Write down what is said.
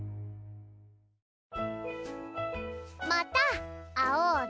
また会おうね。